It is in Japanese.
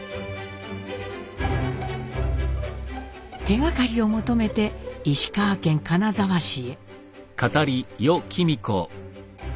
手がかりを求めて石川県金沢市へ。